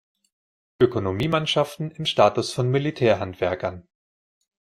Ökonomie-Mannschaften im Status von Militär-Handwerkern.